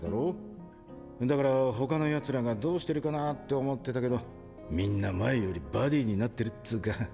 だから他の奴らがどうしてるかなって思ってたけどみんな前よりバディになってるっつうか。